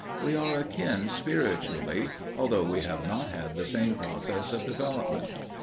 We are akin spiritually, although we have not had the same process of development.